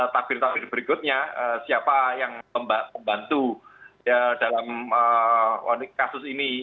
tapi berikutnya siapa yang membantu dalam kasus ini